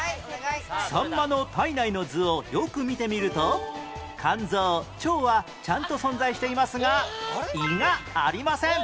さんまの体内の図をよく見てみると肝臓腸はちゃんと存在していますが胃がありません